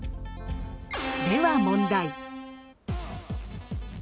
では問題。